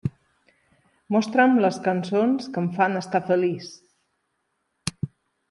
Mostra'm les cançons que em fan estar feliç.